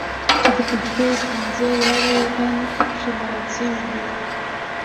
چې د پښتو پنځه واړه یګانې پکې مراعات شوې وي.